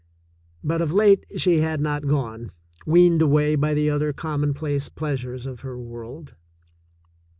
But of late she had not gone, weaned away by the other common place pleasures of her world.